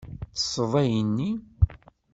Ttesseḍ ayen-nni.